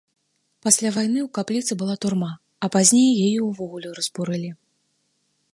Пасля вайны ў капліцы была турма, а пазней яе ўвогуле разбурылі.